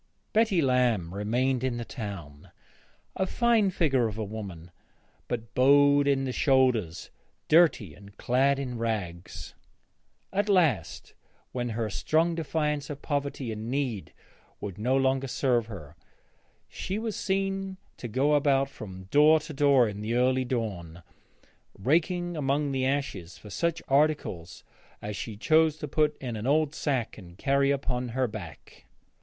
Betty Lamb remained in the town, a fine figure of a woman, but bowed in the shoulders, dirty, and clad in rags. At last, when her strong defiance of poverty and need would no longer serve her, she was seen to go about from door to door in the early dawn, raking among the ashes for such articles as she chose to put in an old sack and carry upon her back.